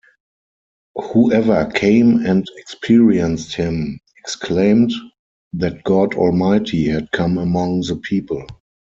Whoever came and experienced him exclaimed that God Almighty had come among the people.